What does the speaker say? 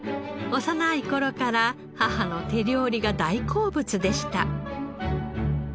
幼い頃から母の手料理が大好物でした。